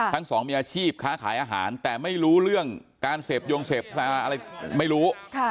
ทั้งสองมีอาชีพค้าขายอาหารแต่ไม่รู้เรื่องการเสพยงเสพซาอะไรไม่รู้